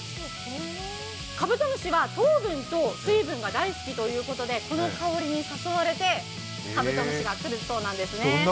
カブトムシは糖分と水分が大好きということでこの香りに誘われて、カブトムシが来るそうなんですね。